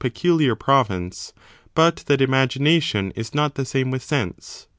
peculiar province, but that imagination is not the same with sense.